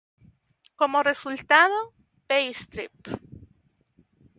Como resultado, Bay St.